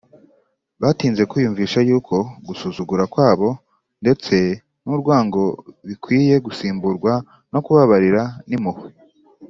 . Batinze kwiyumvisha yuko gusuzugura kwabo ndetse n’urwango bikwiye gusimburwa no kubabarira n’impuhwe